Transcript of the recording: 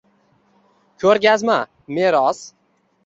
Ko'rgazma:\Meros\"ng"